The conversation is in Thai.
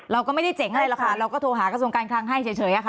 เราก็ไม่ได้เจ๋งอะไรหรอกค่ะเราก็โทรหากระทรวงการคลังให้เฉยค่ะ